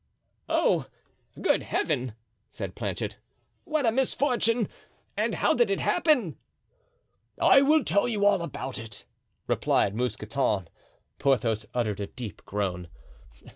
"Oh! good Heaven," said Planchet, "what a misfortune! and how did it happen?" "I will tell you all about it," replied Mousqueton. Porthos uttered a deep groan.